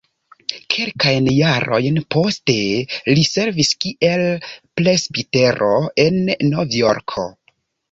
Kelkajn jarojn poste li servis kiel presbitero en Novjorko.